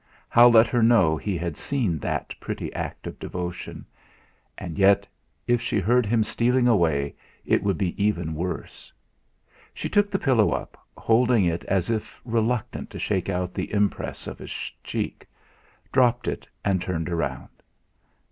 How let her know he had seen that pretty act of devotion? And yet, if she heard him stealing away, it would be even worse. She took the pillow up, holding it as if reluctant to shake out the impress of his cheek, dropped it, and turned round.